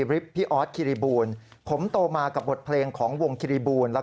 ริฟต์พี่ออสคิริบูลผมโตมากับบทเพลงของวงคิริบูลแล้วก็